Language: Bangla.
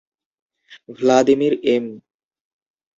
Vladimir M.